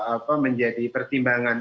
untuk menjadi pertimbangan